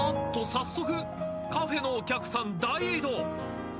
早速カフェのお客さん大移動。